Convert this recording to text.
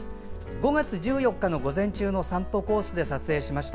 ５月１４日の午前中の散歩コースで撮影しました。